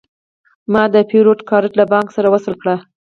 ما د پیرود کارت له بانک سره وصل کړ.